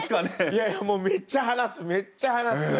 いやいやもうめっちゃ話すめっちゃ話す！